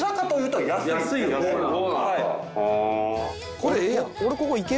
これええやん。